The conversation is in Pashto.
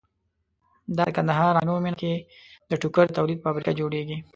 دا د کندهار عينو مينه کې ده ټوکر د تولید فابريکه جوړيږي